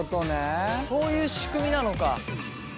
そういう仕組みなのか。